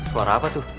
suara apa tuh